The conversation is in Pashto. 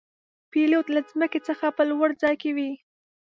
پیلوټ له ځمکې څخه په لوړ ځای کې وي.